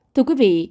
thưa quý vị